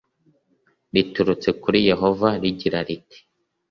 riturutse kuri yehova rigira riti